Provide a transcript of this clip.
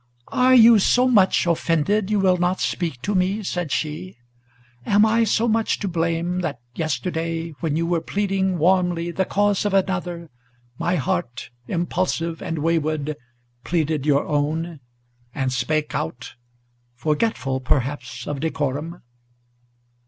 "Are you so much offended, you will not speak to me?" said she. "Am I so much to blame, that yesterday, when you were pleading Warmly the cause of another, my heart, impulsive and wayward, Pleaded your own, and spake out, forgetful perhaps of decorum?